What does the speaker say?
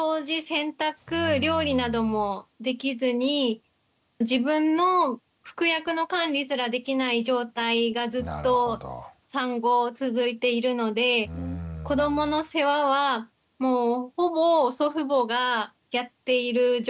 洗濯料理などもできずに自分の服薬の管理すらできない状態がずっと産後続いているので子どもの世話はもうほぼ祖父母がやっている状態です。